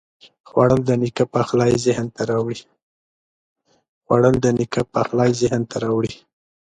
خوړل د نیکه پخلی ذهن ته راوړي